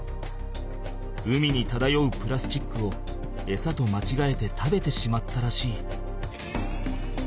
海にただようプラスチックをエサとまちがえて食べてしまったらしい。